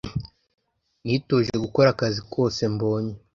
Nitoje gukora akazi kose mbonye